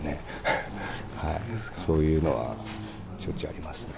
そういうのはしょっちゅうありますね。